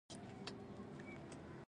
زه اوبه څښم